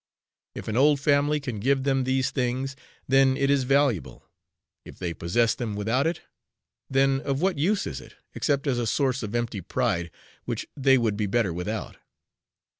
If an old family can give them these things, then it is valuable; if they possess them without it, then of what use is it, except as a source of empty pride, which they would be better without?